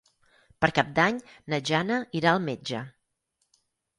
Per Cap d'Any na Jana irà al metge.